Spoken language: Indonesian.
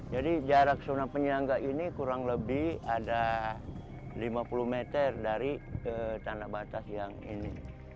jadi jarak zona penyangga ini kurang lebih ada lima puluh meter dari tanda batas yang ini